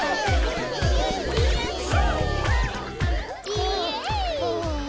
イエイ！